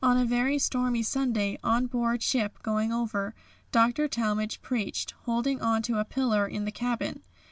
On a very stormy Sunday, on board ship going over, Dr. Talmage preached, holding on to a pillar in the cabin.